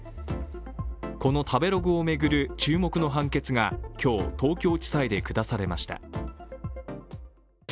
この食べログを巡る注目の判決が今日、東京地裁で下されました。